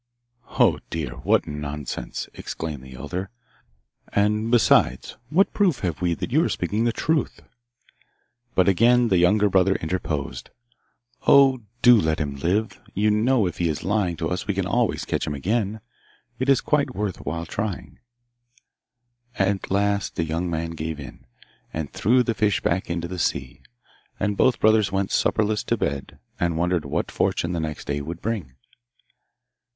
'Oh dear, what nonsense!' exclaimed the elder; 'and, besides, what proof have we that you are speaking the truth?' But again the younger brother interposed: 'Oh, do let him live! You know if he is lying to us we can always catch him again. It is quite worth while trying.' At last the young man gave in, and threw the fish back into the sea; and both brothers went supperless to bed, and wondered what fortune the next day would bring.